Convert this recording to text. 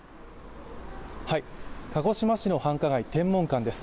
鹿児島市の繁華街・天文館です。